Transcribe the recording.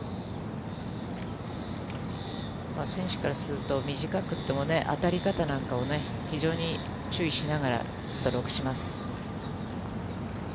選手からすると、短くってもね、当たり方なんかを非常に注意しながら、ストロークします。